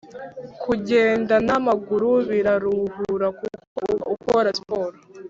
Kujyenda na amaguru biraruhura kuko uba ukora siporo